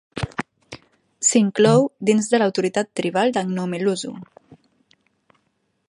S'inclou dins de l'Autoritat Tribal de Mngomezulu.